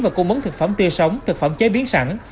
và cung mấn thực phẩm tươi sống thực phẩm chế biến sẵn